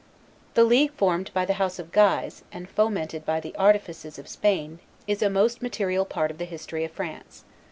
The league formed by the House of Guise, and fomented by the artifices of Spain, is a most material part of the history of France.